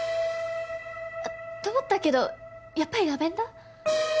あっ！と思ったけどやっぱりラベンダー？